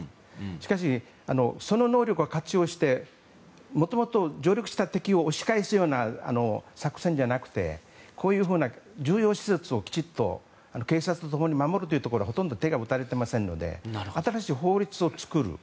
しかし、その能力を活用してもともと上陸した敵を押し返すような作戦じゃなくてこういうふうな重要施設をきちっと警察と共に守るというところはほとんど手が打たれてませんので新しい法律を作る。